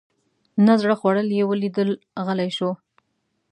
نه زړه خوړل یې ولیدل غلی شو.